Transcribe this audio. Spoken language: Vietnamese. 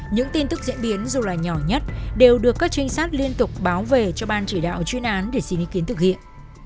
những tin tức diễn biến dù là nhỏ nhất đều được các trinh sát liên tục báo về cho ban chỉ đạo chuyên án để xin ý kiến thực hiện